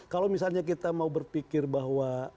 kalau misalnya kita mau berpikir bahwa